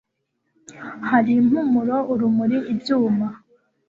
hari impumuro urumuri ibyuma